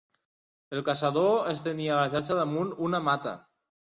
El caçador estenia la xarxa damunt una mata